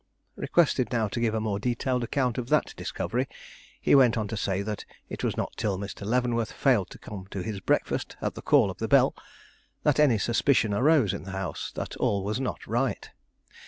Requested now to give a more detailed account of that discovery, he went on to say it was not till Mr. Leavenworth failed to come to his breakfast at the call of the bell that any suspicion arose in the house that all was not right.